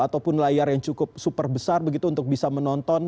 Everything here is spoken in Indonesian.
ataupun layar yang cukup super besar begitu untuk bisa menonton